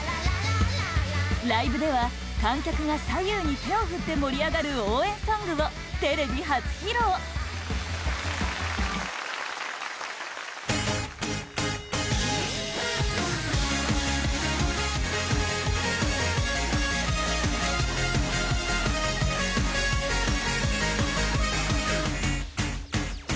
ライブでは、観客が左右に手を振って盛り上がる応援ソングをテレビ初披露ａｎｏさん